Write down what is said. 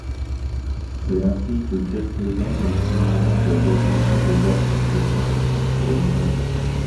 C'est ainsi que quelques-uns lui suggèrent de rédiger des articles scientifiques pour les enfants.